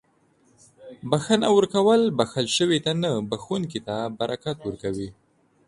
• بښنه ورکول بښل شوي ته نه، بښونکي ته برکت ورکوي.